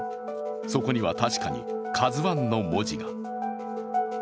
そこには確かに「ＫＡＺＵⅠ」の文字が。